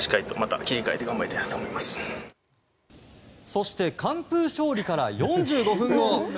そして完封勝利から４５分後。